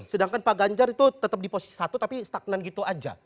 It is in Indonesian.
sedangkan pak ganjar itu tetap di posisi satu tapi stagnan gitu aja